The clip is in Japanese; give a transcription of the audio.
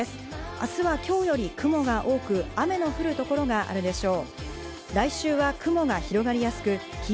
明日は今日より雲が多く、雨の降る所があるでしょう。